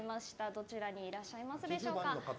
どちらにいらっしゃいますでしょうか。